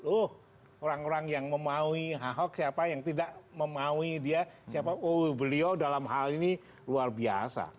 oh orang orang yang memaui ahok siapa yang tidak memaui dia siapa oh beliau dalam hal ini luar biasa